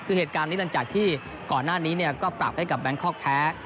คือเหตุการณ์นี้หลังจากที่ก่อนหน้านี้ก็ปรับให้กับแบงคอกแพ้